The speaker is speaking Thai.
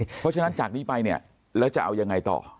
เพราะฉะนั้นจากนี้ไปเนี่ยแล้วจะเอายังไงต่อ